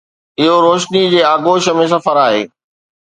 اهو روشنيءَ جي آغوش ۾ سفر آهي.